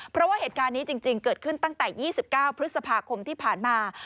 เพราะว่าเหตุการณ์นี้จริงเกิดขึ้นตั้งแต่๒๙พฤษภาคมที่ผ่านมา